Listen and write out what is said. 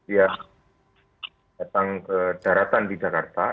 ya datang ke daratan di jakarta